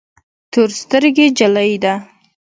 تور سترګي جلی ده